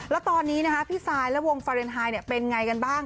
แล้วตอนนี้พี่ซายและวงฟาเรนไฮเป็นไงกันบ้าง